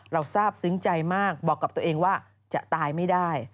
ทราบซึ้งใจมากบอกกับตัวเองว่าจะตายไม่ได้